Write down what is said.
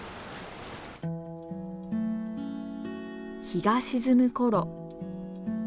日が沈む頃。